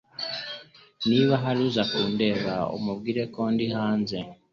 Niba hari uza kundeba, umubwire ko ndi hanze.